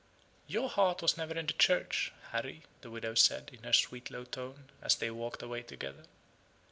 "Your heart was never in the Church, Harry," the widow said, in her sweet low tone, as they walked away together.